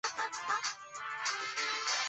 月台配置